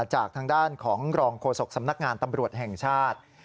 จากทางด้านของรองโฆษกสำนักงานตำรวจแห่งชาติ